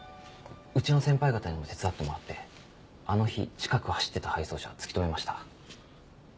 うちの先輩方にも手伝ってもらってあの日近くを走ってた配送車突き止めました。